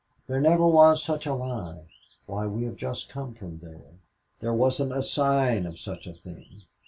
"There never was such a lie. Why, we have just come from there. There wasn't a sign of such a thing.